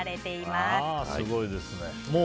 すごいですね。